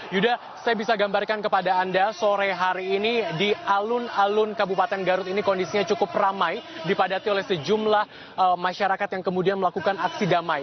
yuda saya bisa gambarkan kepada anda sore hari ini di alun alun kabupaten garut ini kondisinya cukup ramai dipadati oleh sejumlah masyarakat yang kemudian melakukan aksi damai